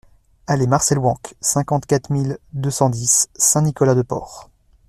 Allée Marcel Wenck, cinquante-quatre mille deux cent dix Saint-Nicolas-de-Port